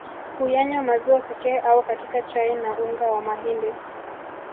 Huyanywa maziwa pekee au katika chai na unga wa mahindi